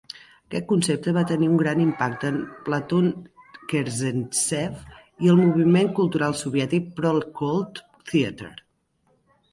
Aquest concepte va tenir un gran impacte en Platon Kerzhentsev i el moviment cultural soviètic Proletcult Theatre.